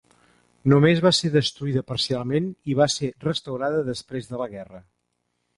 Només va ser destruïda parcialment i va ser restaurada després de la guerra.